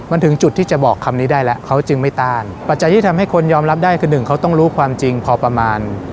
มันถึงจุดที่จะบอกคำนี้ได้แล้วเขาจึงไม่ต้านปัจจัยที่ทำให้คนยอมรับได้คือหนึ่งเขาต้องรู้ความจริงพอประมาณ